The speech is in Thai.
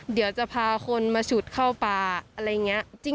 เดี๋ยวจะพาคนมาฉุดเข้าป่าอะไรอย่างนี้